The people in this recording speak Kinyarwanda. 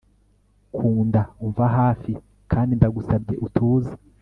kunda, umva hafi, kandi ndagusabye utuze